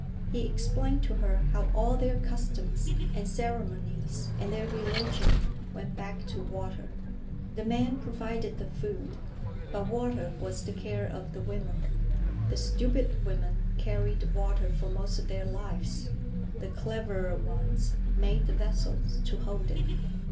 He explained to her how all their customs and ceremonies and their religion went back to water. The men provided the food, but water was the care of the women. The stupid women carried water for most of their lives; the cleverer ones made the vessels to hold it.